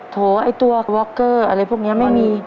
โถไอ้ตัววอกเกอร์อะไรพวกนี้ไม่มี